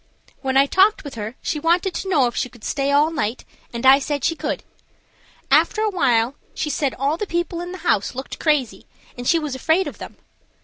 When I talked with her she wanted to know if she could stay all night, and I said she could. After awhile she said all the people in the house looked crazy, and she was afraid of them.